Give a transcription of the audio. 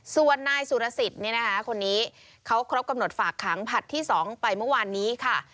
ส่วนนายสุรสิทธิ์คนนี้เขาครบกำหนดฝากขังผลัดที่๒ไปเมื่อวานนี้ค่ะ